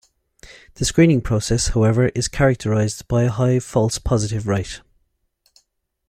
The screening process, however, is characterized by a high false positive rate.